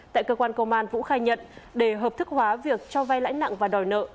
tại cơ quan công an vũ khai nhận để hợp thức hóa việc cho vay lãi nặng và đòi nợ